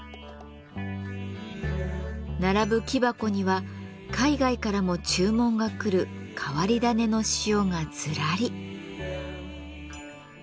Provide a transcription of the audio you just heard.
並ぶ木箱には海外からも注文が来る変わり種の塩がずらり。